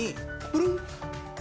プルン。